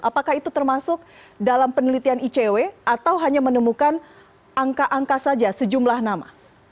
apakah itu termasuk dalam penelitian icw atau hanya menemukan angka angka saja sejumlah nama